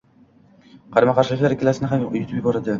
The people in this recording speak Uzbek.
Qarama -qarshiliklar ikkalasini ham yutib yuboradi